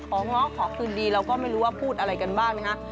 ง้อขอคืนดีเราก็ไม่รู้ว่าพูดอะไรกันบ้างนะคะ